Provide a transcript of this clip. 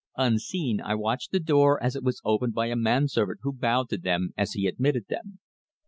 Unseen, I watched the door as it was opened by a man servant who bowed to them as he admitted them.